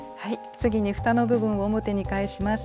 次にふたの部分を表に返します。